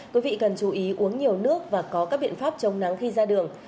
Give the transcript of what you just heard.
quý vị cần chú ý uống nhiều nước và có các biện pháp chống nắng khi ra đường